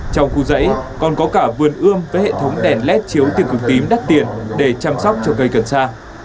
trong khu dãy còn có cả vườn ươm với hệ thống đèn led chiếu tiền cực tím đắt tiền để chăm sóc cho cây cần xa